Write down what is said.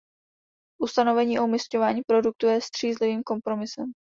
Ustanovení o umisťování produktu je střízlivým kompromisem.